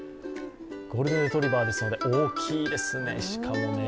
ゴールデンレトリバーですので大きいですね、しかもね。